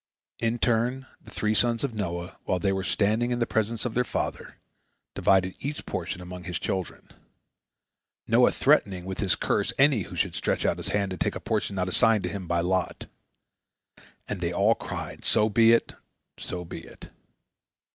In turn, the three sons of Noah, while they were still standing in the presence of their father, divided each his portion among his children, Noah threatening with his curse any who should stretch out his hand to take a portion not assigned to him by lot. And they all cried, "So be it! So be it!"